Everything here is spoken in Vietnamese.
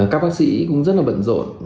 các bác sĩ cũng rất là bận rộn